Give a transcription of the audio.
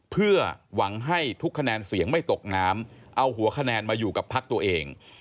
เพื่อหวังให้ทุกคะแนนเสียงไม่ตกน้ำเอาหัวคะแนนมาอยู่กับพักตัวเอง